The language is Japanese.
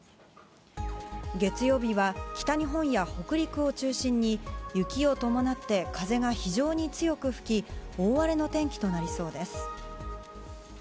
月曜日は、北日本や北陸を中心に雪を伴って風が非常に強く吹き大荒れの天気となりそうです。